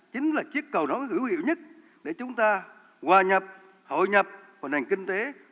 chính là chiếc cầu nối hữu hiệu nhất để chúng ta hòa nhập hội nhập vào nền kinh tế